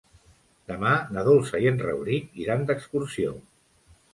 Demà na Dolça i en Rauric iran d'excursió.